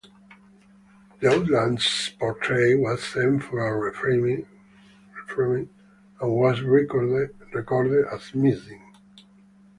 The Oatlands portrait was sent for reframing and was recorded as missing.